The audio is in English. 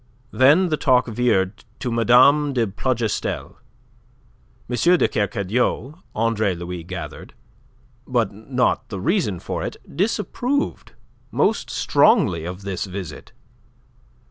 Then the talk veered to Mme. de Plougastel. M. de Kercadiou, Andre Louis gathered, but not the reason for it, disapproved most strongly of this visit.